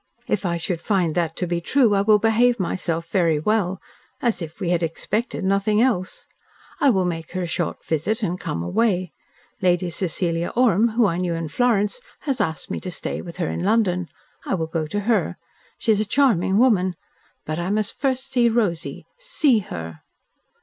"If I should find that to be true, I will behave myself very well as if we had expected nothing else. I will make her a short visit and come away. Lady Cecilia Orme, whom I knew in Florence, has asked me to stay with her in London. I will go to her. She is a charming woman. But I must first see Rosy SEE her."